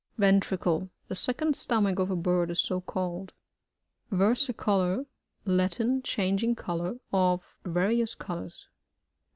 Vkntricle. — The second stomach of a bird is so culled. Versicoi^r. — Lai in. Changing col* our; of vtrlous colours.